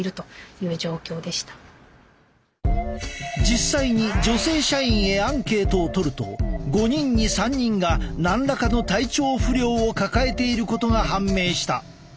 実際に女性社員へアンケートを取ると５人に３人が何らかの体調不良を抱えていることが判明した。